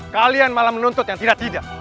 kalian malah menuntut yang tidak tidak